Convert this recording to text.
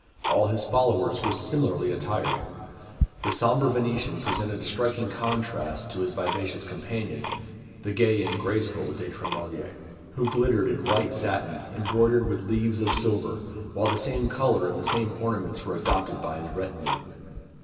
All his followers were similarly attired. The sombre Venetian presented a striking contrast to his vivacious companion, the gay and graceful De Tremouille, who glittered in white satin, embroidered with leaves of silver, while the same colour and the same ornaments were adopted by his retinue.